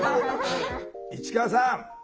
市川さん